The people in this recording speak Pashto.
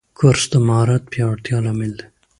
کورس د مهارت پیاوړتیا لامل دی.